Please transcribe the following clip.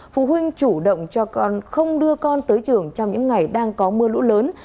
phụ huynh chủ động cho con không đưa con tới trường trong những ngày đang có mưa lũ lớn